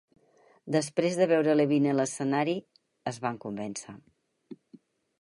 Després de veure Levine a l'escenari, es van convèncer.